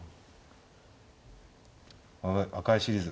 「赤いシリーズ」。